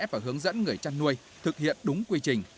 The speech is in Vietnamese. và hướng dẫn người chăn nuôi thực hiện đúng quy trình